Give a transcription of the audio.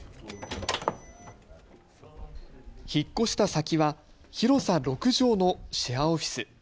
引っ越した先は広さ６畳のシェアオフィス。